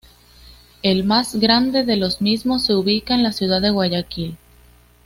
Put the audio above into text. El más grande de los mismos se ubica en la ciudad de Guayaquil.